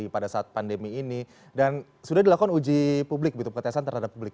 pada saat pandemi ini dan sudah dilakukan uji publik betul betul keterasan terhadap publik